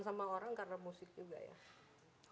sama orang karena musik juga ya